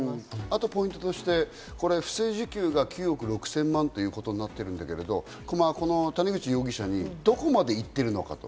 あとポイントとして不正受給が９億６０００万となってるけど、この谷口容疑者にどこまで行っているのか。